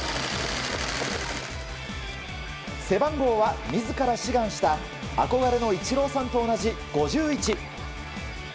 背番号は、自ら志願した憧れのイチローさんと同じ５１。